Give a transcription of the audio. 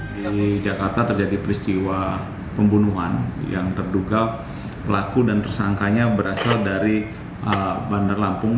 di jakarta terjadi peristiwa pembunuhan yang terduga pelaku dan tersangkanya berasal dari bandar lampung